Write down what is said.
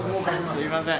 すみません。